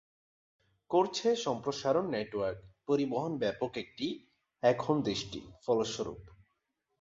ফলস্বরূপ, দেশটি এখন একটি ব্যাপক পরিবহন নেটওয়ার্ক সম্প্রসারণ করছে।